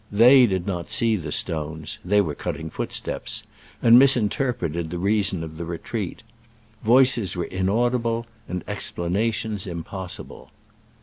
They did not see the stones (they were cutting footsteps), and misinterpreted the reason of the retreat. Voices were in audible and explanations impossible.